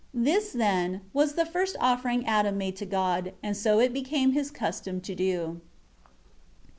8 This, then, was the first offering Adam made to God; and so it became his custom to do.